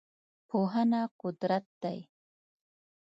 پوهنه قدرت دی.